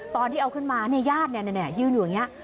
ตอนที่เอาขึ้นมาญาติยืนอยู่อย่างนี้